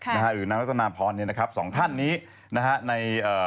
หรือนางรัตนาพรเนี่ยนะครับสองท่านนี้นะฮะในเอ่อ